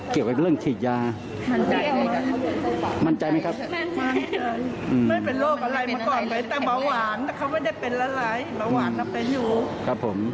คนที่ดีตายก็ไม่มีโรคประกว่าไม่มีโรค